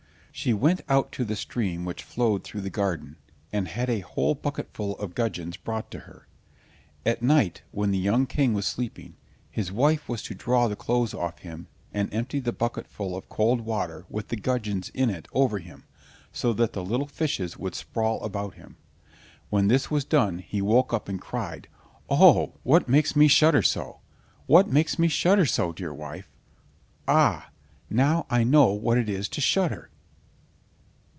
She went out to the stream which flowed through the garden, and had a whole bucketful of gudgeons brought to her. At night when the young King was sleeping, his wife was to draw the clothes off him and empty the bucketful of cold water with the gudgeons in it over him, so that the little fishes would sprawl about him. When this was done, he woke up and cried: "Oh, what makes me shudder so?—what makes me shudder so, dear wife? Ah! now I know what it is to shudder!"